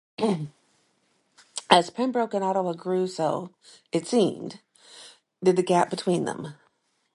As Pembroke and Ottawa grew so, it seemed, did the gap between them.